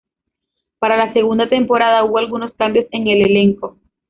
Para la segunda temporada, hubo algunos cambios en el elenco.